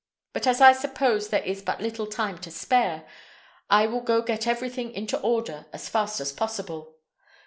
But, as I suppose there is but little time to spare, I will go get everything into order as fast as possible.